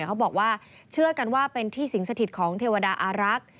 เขาบอกว่าเชื่อกันว่าเป็นที่สิงสถิตของเทวดาอารักษ์